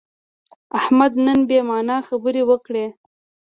احمد نن بې معنا خبرې وکړې.